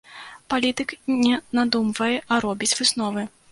Палітык не надумвае, а робіць высновы.